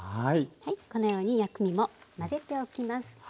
このように薬味も混ぜておきます。